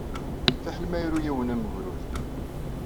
Fiḥel ma iru yiwen am ugrud.